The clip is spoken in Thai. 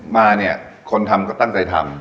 มาเนี่ยคนทำก็ตั้งใจทำ